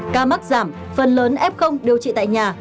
ca mắc giảm phần lớn f điều trị tại nhà